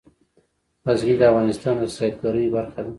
غزني د افغانستان د سیلګرۍ برخه ده.